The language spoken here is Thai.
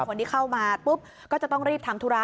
คนที่เข้ามาปุ๊บก็จะต้องรีบทำธุระ